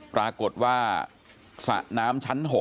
ปรากฏว่าสระน้ำชั้น๖